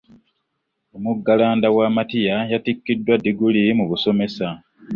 Omuggalanda wa matiya yatikkiddwa ddiguli mu busomesa.